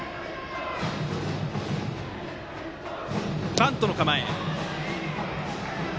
バントの構え。